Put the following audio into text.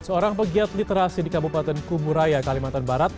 seorang pegiat literasi di kabupaten kuburaya kalimantan barat